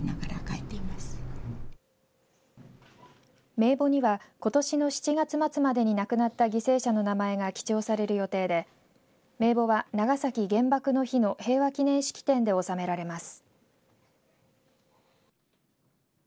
名簿には、ことし７月末までに亡くなった犠牲者の名前が記帳される予定で名簿は長崎原爆の日の平和祈念式典で納められます。